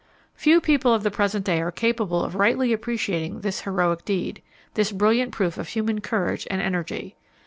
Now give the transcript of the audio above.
Few people of the present day are capable of rightly appreciating this heroic deed; this brilliant proof of human courage and energy.